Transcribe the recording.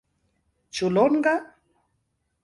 Ĉu longa?